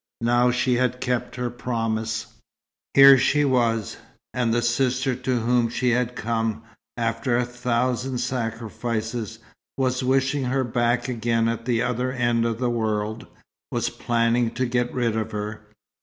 Now, she had kept her promise. Here she was and the sister to whom she had come, after a thousand sacrifices, was wishing her back again at the other end of the world, was planning to get rid of her.